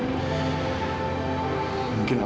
kau ganggu dia